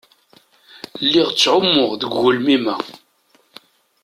Lliɣa ttɛummuɣ deg ugelmim-a.